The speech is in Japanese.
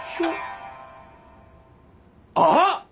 あっ！